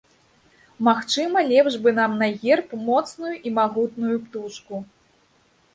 Магчыма, лепш бы нам на герб моцную і магутную птушку.